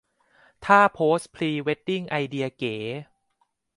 ท่าโพสพรีเวดดิ้งไอเดียเก๋